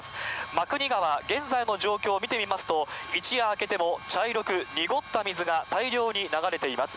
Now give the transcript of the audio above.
真国川、現在の状況を見てみますと、一夜明けても茶色く濁った水が大量に流れています。